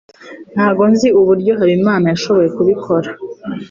Ntabwo nzi uburyo Habimana yashoboye kubikora.